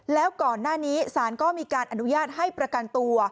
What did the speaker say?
แล้วก่อนหน้านี้ศาลก็มีการอนุญาตให้ประกันตัว